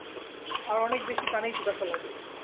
আর অনেক বেশি পানির পিপাসা লাগে।